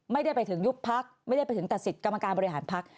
ไม่ได้ไปถึงยุบพักไม่ได้ไปถึงตัดสิทธิ์กรรมการบริหารพัก